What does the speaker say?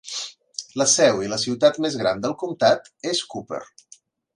La seu i la ciutat més gran del comtat és Cooper.